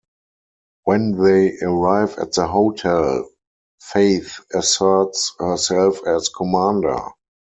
When they arrive at the hotel, Faith asserts herself as commander.